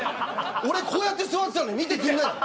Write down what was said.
俺こうやって座ってたのに見てくんない。